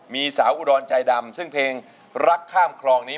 มีสาวอุดรใจดำซึ่งเพลงรักข้ามคลองนี้